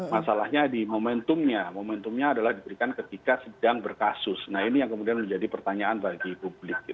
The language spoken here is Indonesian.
masalahnya di momentumnya momentumnya adalah diberikan ketika sedang berkasus nah ini yang kemudian menjadi pertanyaan bagi publik